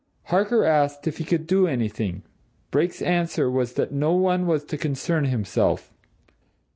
Harker asked if he could do anything Brake's answer was that no one was to concern himself.